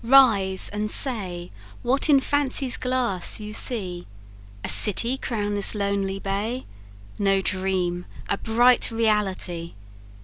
rise and say, What in Fancy's glass you see A city crown this lonely bay? No dream a bright reality.